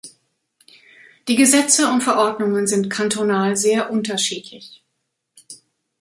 Die Gesetze und Verordnungen sind kantonal sehr unterschiedlich.